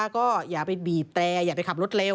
ก็อย่าไปบีบแต่อย่าไปขับรถเร็ว